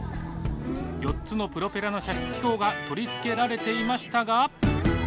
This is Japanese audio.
４つのプロペラの射出機構が取り付けられていましたが。